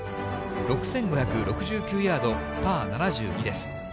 ６５６９ヤード、パー７２です。